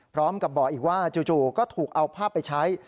พร้อมกับบอกอีกว่าจู่ก็ถูกเอาภาพไปใช้